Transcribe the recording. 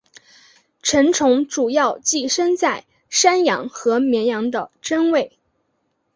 成虫主要寄生在山羊和绵羊的真胃。